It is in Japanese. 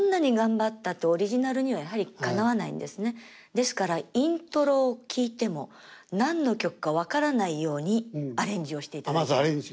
ですからイントロを聴いても何の曲か分からないようにアレンジをしていただいてます。